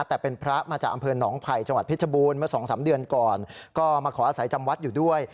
แต่เป็นพระมาจากอำเภอหนองไผ่จังหวัดเพชรบูรณ์เมื่อสองสามเดือนก่อนก็มาขออาศัยจำวัดอยู่ด้วย